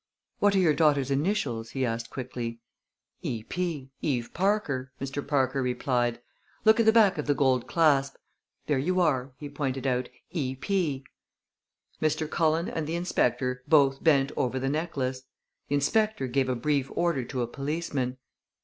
"What are your daughter's initials?" he asked quickly. "E.P. Eve Parker," Mr. Parker replied. "Look at the back of the gold clasp. There you are," he pointed out "E.P." Mr. Cullen and the inspector both bent over the necklace. The inspector gave a brief order to a policeman.